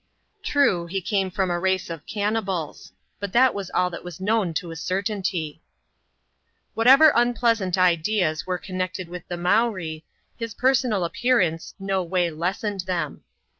True, he came from a race of cannibals ; but that was all that was known to a cer tainty. TVliatever unpleasant ideas were connected with the Mowree, • his personal appearance no way lessened them.